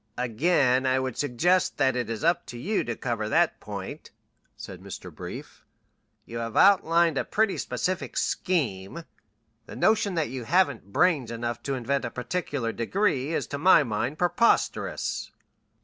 "Again I would suggest that it is up to you to cover that point," said Mr. Brief. "You have outlined a pretty specific scheme. The notion that you haven't brains enough to invent a particular degree is to my mind preposterous."